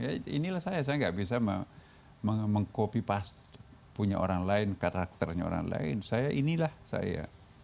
ya inilah saya saya gak bisa mengcopy past punya orang lain karakternya orang lain saya inilah saya